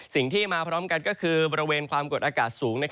สิ่งที่มาพร้อมกันก็คือบริเวณความกดอากาศสูง